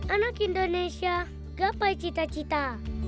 anak indonesia gapai cita cita